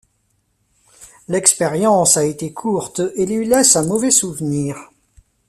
L’expérience a été courte et lui laisse un mauvais souvenir.